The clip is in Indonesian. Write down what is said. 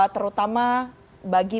terutama bagi pasangan